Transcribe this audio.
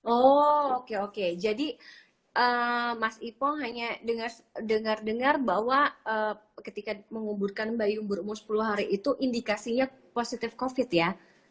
oh oke oke jadi mas ipong hanya dengar dengar bahwa ketika menguburkan bayi umur sepuluh hari itu indikasinya positif covid ya